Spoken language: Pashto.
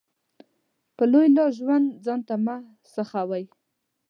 په لوی لاس ژوند ځانته مه سخوئ.